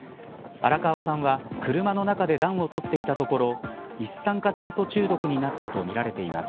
荒川さんは車の中で暖を取っていたところ一酸化炭素中毒になったとみられています。